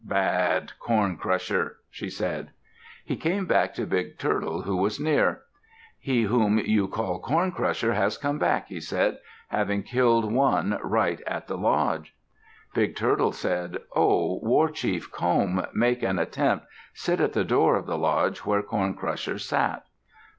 "Bad Corn Crusher!" she said. He came back to Big Turtle, who was near. "He whom you call 'Corn Crusher' has come back," he said, "having killed one right at the lodge." Big Turtle said, "O war chief Comb, make an attempt. Sit in the door of the lodge where Corn Crusher sat."